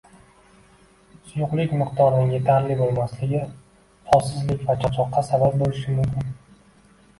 Suyuqlik miqdorining yetarli bo‘lmasligi holsizlik va charchoqqa sabab bo‘lishi mumkin